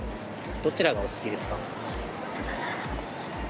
どちらがお好きですか？